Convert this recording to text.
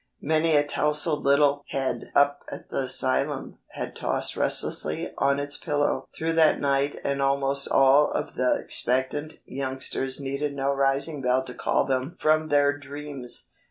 Many a tousled little head up at the asylum had tossed restlessly on its pillow through that night and almost all of the expectant youngsters needed no rising bell to call them from their dreams.